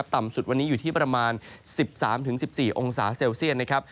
ต่ำสุดวันนี้อยู่ที่ประมาณ๑๓๑๔องศาเซลเซียตนะครับ